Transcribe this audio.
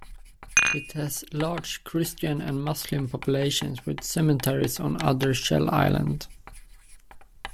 It has large Christian and Muslim populations with cemeteries on another shell island.